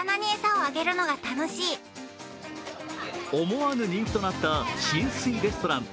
思わぬ人気となった浸水レストラン。